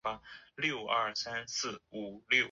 蔚岭关现建筑为清光绪十八年重建。